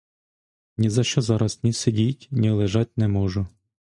Нізащо зараз ні сидіть, ні лежать не можу.